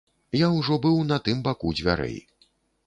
Я ўжо быў на тым баку дзвярэй.